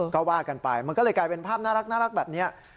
ก็ว่ากันไปมันก็เลยกลายเป็นภาพน่ารักแบบนี้